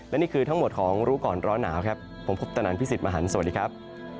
และนี่คือทั้งหมดของรู้ก่อนร้อนหนาวครับผมพุทธนันพี่สิทธิ์มหันฯสวัสดีครับ